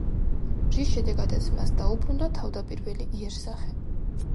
რის შედეგადაც, მას დაუბრუნდა თავდაპირველი იერსახე.